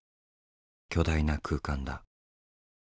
巨大な空間だ。